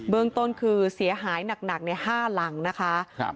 เบื้องต้นคือเสียหายหนักหนักในห้าหลังนะคะครับ